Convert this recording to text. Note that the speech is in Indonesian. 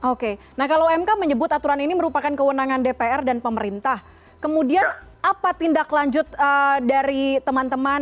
oke nah kalau mk menyebut aturan ini merupakan kewenangan dpr dan pemerintah kemudian apa tindak lanjut dari teman teman